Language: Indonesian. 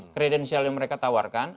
kredensial yang mereka tawarkan